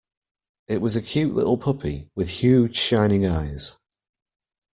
It was a cute little puppy, with huge shining eyes.